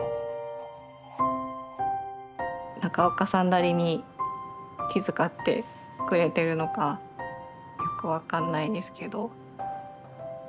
なりに気遣ってくれてるのかよく分かんないですけど。